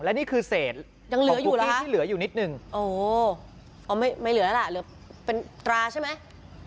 โอ้ไม่เหลือแล้วล่ะเหลือเป็นตราใช่ไหม